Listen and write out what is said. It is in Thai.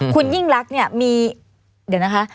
คุณยิ่งรักเนี่ยมีเดี๋ยวนะคะ